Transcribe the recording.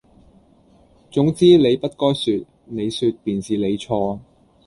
總之你不該説，你説便是你錯！」